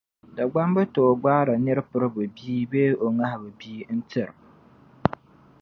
Dagbamba tooi gbaari nir’ piriba bii bee o ŋahiba bia, n-tir’...